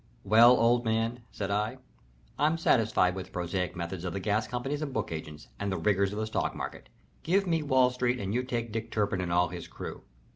"Well, old man," said I, "I'm satisfied with the prosaic methods of the gas companies, the book agents, and the riggers of the stock market. Give me Wall Street and you take Dick Turpin and all his crew.